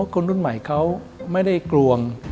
คนรุ่นใหม่เขาไม่ได้กลวง